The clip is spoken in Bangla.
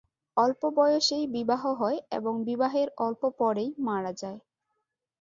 অল্প বয়সেই বিবাহ হয় এবং বিবাহের অল্প পরেই মারা যায়।